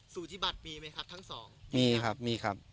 สุธิบัติมีไหมครับทั้งสองมีครับมีครับ